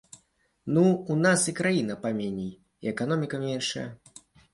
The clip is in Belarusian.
Ну, у нас і краіна паменей, і эканоміка меншая.